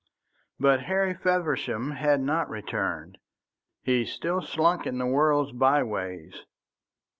But Harry Feversham had not returned, he still slunk in the world's by ways.